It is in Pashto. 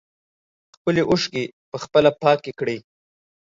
خپلې اوښکې په خپله پاکې کړئ.